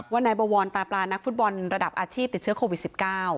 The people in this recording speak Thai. นายบวรตาปลานักฟุตบอลระดับอาชีพติดเชื้อโควิด๑๙